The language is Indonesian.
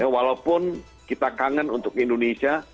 walaupun kita kangen untuk indonesia